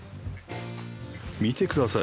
見てください。